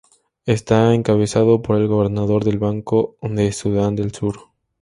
Está encabezado por el Gobernador del Banco de Sudán del Sur.